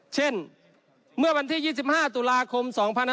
เช่นเมื่อวันที่๒๕ตุลาคม๒๕๖๒